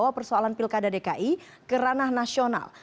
bahwa persoalan pilkada dki ke ranah nasional